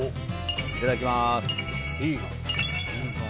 いただきます。